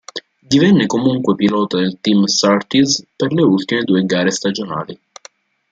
Divenne comunque pilota del team Surtees per le ultime due gare stagionali.